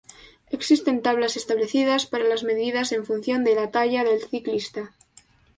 Existen tablas establecidas para las medidas en función de la talla del ciclista.